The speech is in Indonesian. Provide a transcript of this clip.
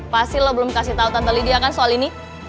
pasti lo belum kasih tau tante lidia kan soal ini